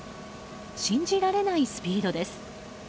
信じられないスピードです。